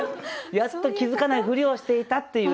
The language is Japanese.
やっと気付かないふりをしていたっていうね